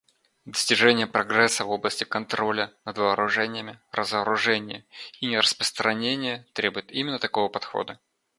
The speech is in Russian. Достижение прогресса в области контроля над вооружениями, разоружения и нераспространения требует именно такого подхода.